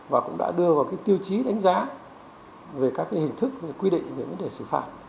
và cũng đã đưa vào tiêu chí đánh giá về các hình thức quy định về vấn đề xử phạt